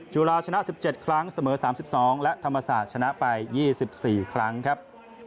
จุฬาชนะ๑๗ครั้งเสมอ๓๒และธรรมศาสตร์ชนะไป๒๔ครั้งครับ